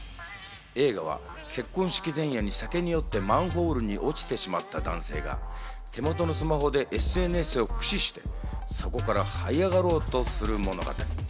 映画は結婚式前夜に酒に酔ってマンホールに落ちてしまった男性が手元のスマホでＳＮＳを駆使して、そこから這い上がろうとする物語。